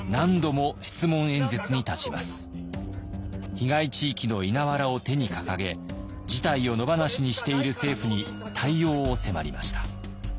被害地域の稲わらを手に掲げ事態を野放しにしている政府に対応を迫りました。